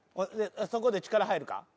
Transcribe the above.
そこで力入るか？